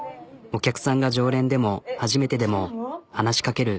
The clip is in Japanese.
お客さんが常連でも初めてでも話しかける。